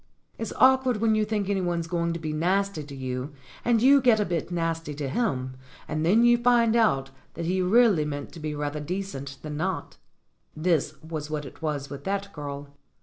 It's awkward when you think anyone's going to be nasty to you and you get a bit nasty to him, and then you find out that he really meant to be rather decent than not. This was what it was with that girl.